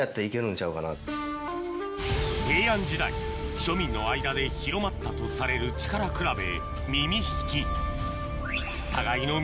平安時代庶民の間で広まったとされる力比べ